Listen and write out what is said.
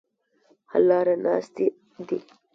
حل لاره ناستې دي.